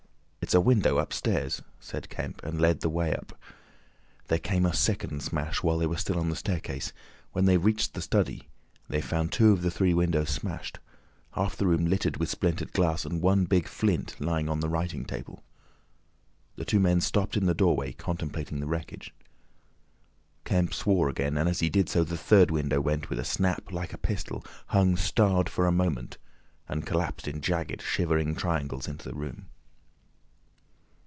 "It's a window, upstairs!" said Kemp, and led the way up. There came a second smash while they were still on the staircase. When they reached the study they found two of the three windows smashed, half the room littered with splintered glass, and one big flint lying on the writing table. The two men stopped in the doorway, contemplating the wreckage. Kemp swore again, and as he did so the third window went with a snap like a pistol, hung starred for a moment, and collapsed in jagged, shivering triangles into the room.